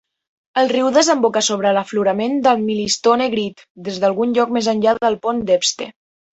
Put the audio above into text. El riu desemboca sobre l'aflorament de Millstone Grit des d'algun lloc més enllà del pont d'Hepste.